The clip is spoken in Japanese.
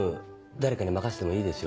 誰かに任せてもいいですよ？